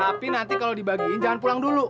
tapi nanti kalau dibagiin jangan pulang dulu